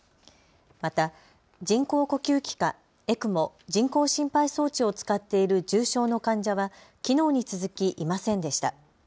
また人工呼吸器かＥＣＭＯ・人工心肺装置を使っている重症の患者はきのうに続きいませんでした。